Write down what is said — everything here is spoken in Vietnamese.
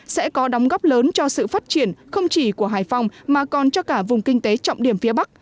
sẽ có đóng góp lớn cho sự phát triển không chỉ của hải phòng mà còn cho cả vùng kinh tế trọng điểm phía bắc